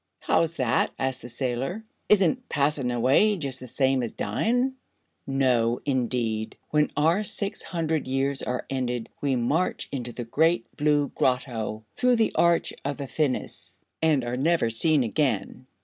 "How's that?" asked the sailor. "Isn't 'pass'n' away' jus' the same as dyin'?" "No, indeed. When our six hundred years are ended we march into the Great Blue Grotto, through the Arch of Phinis, and are never seen again."